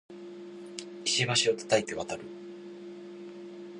石橋は叩いて渡る